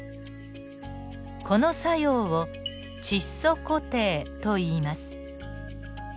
この作用を窒素固定といいます。